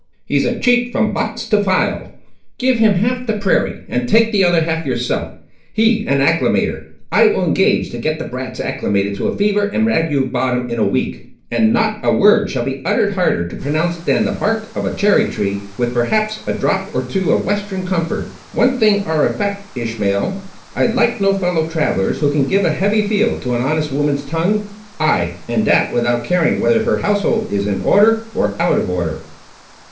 He's a cheat, from box to phial. Give him half the prairie, and take the other half yourself. He an acclimator! I will engage to get the brats acclimated to a fever and ague bottom in a week, and not a word shall be uttered harder to pronounce than the bark of a cherry tree, with perhaps a drop or two of western comfort. One thing ar' a fact, Ishmael; I like no fellow travellers who can give a heavy feel to an honest woman's tongue, I—and that without caring whether her household is in order, or out of order."